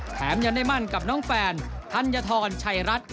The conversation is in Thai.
แถมยังได้มั่นกับน้องแฟนธัญฑรชัยรัฐ